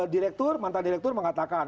direktur mantan direktur mengatakan